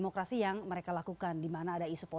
kan gitu kan ya